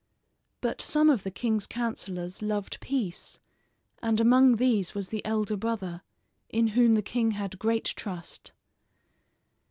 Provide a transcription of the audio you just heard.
But some of the king's counselors loved peace, and among these was the elder brother, in whom the king had great trust.